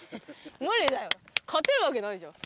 勝てるわけないじゃん。